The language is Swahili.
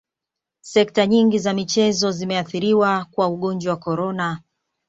sekta nyingi za michezo zimeathiriwa kwa ugonjwa wa corona